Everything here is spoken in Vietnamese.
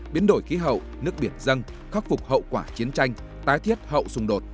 biến đổi khí hậu nước biển dân khắc phục hậu quả chiến tranh tái thiết hậu xung đột